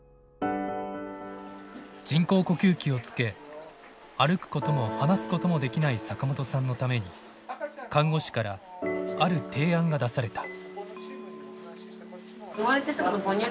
人工呼吸器をつけ歩くことも話すこともできない坂本さんのために看護師からある提案が出された。